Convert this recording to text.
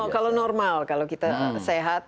kalau normal kalau kita sehat itu idealnya kalau kita sehat